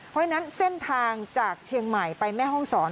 เพราะฉะนั้นเส้นทางจากเชียงใหม่ไปแม่ห้องศร